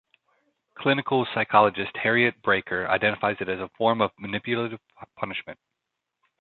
Clinical psychologist Harriet Braiker identifies it as a form of manipulative punishment.